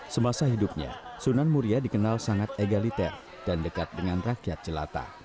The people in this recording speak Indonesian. semasa hidupnya sunan muria dikenal sangat egaliter dan dekat dengan rakyat jelata